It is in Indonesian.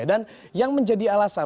dan yang menjadi alasan